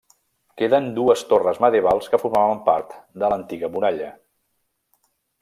Queden dues torres medievals que formaven part de l'antiga muralla.